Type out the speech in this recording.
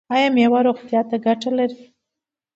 ایا میوه روغتیا ته ګټه لري؟